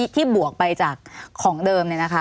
บวกไปจากของเดิม